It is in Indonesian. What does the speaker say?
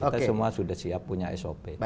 kita semua sudah siap punya sop